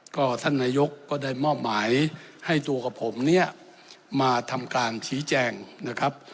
ก็ท่านนายกก็ได้มอบหมายให้ตัวกับผมเนี่ยมาทำการชี้แจงนะครับ